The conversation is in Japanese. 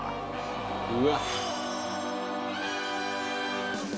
うわっ！